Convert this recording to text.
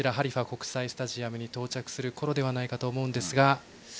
国際スタジアムに到着するころではないかと思いますが。